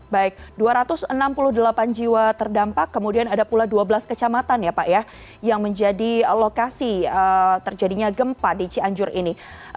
baik dua ratus enam puluh delapan jiwa terdampak kemudian ada pula dua belas kecamatan ya pak ya yang menjadi lokasi terjadinya gempa di cianjur ini